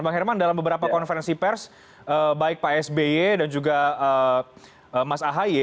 bang herman dalam beberapa konferensi pers baik pak sby dan juga mas ahaye